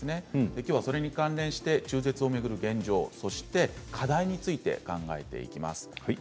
きょうはそれに関連して中絶を取り巻く現状そして課題についてお伝えしていきます。